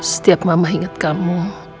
setiap mama ingat kamu